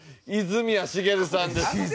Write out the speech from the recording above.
泉谷しげるさん。